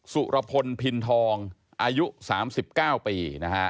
สุระพลภินทองอายุ๓๙ปี